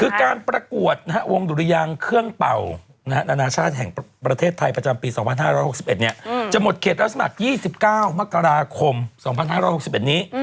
คือการประกวดวงดุรยังเครื่องเป่านานาชาติแห่งประเทศไทยประจำปี๒๕๖๑จะหมดเขตลักษณะ๒๙มกราคม๒๕๖๑นี้